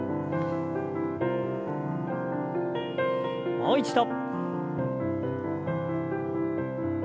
もう一度。